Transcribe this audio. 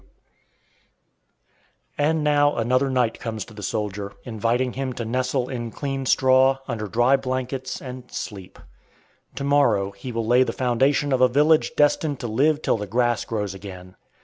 W. And now another night comes to the soldier, inviting him to nestle in clean straw, under dry blankets, and sleep. To morrow he will lay the foundation of a village destined to live till the grass grows again.